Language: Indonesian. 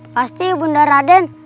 pasti bunda raden